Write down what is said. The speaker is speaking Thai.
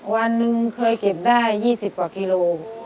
วันนึงเคยเก็บได้ยี่สิบกว่ากิโล